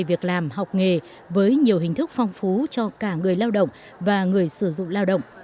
việc làm học nghề với nhiều hình thức phong phú cho cả người lao động và người sử dụng lao động